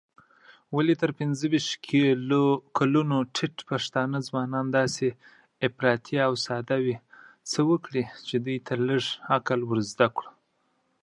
ولي تر پنځه ويشت کلونو ټيټ پښتانه ځوانان داسي افراطي او ساده وي، څه وکړو چي دوی ته لږ عقل ور زده کړو؟